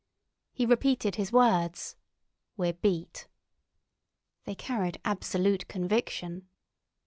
He repeated his words, "We're beat." They carried absolute conviction.